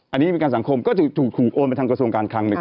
อันนี้ไม่มีประกันสังคมก็ถูกโอนไปทางกระทรวงการคัง